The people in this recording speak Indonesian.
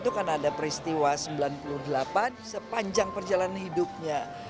itu kan ada peristiwa sembilan puluh delapan sepanjang perjalanan hidupnya